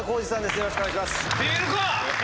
よろしくお願いします。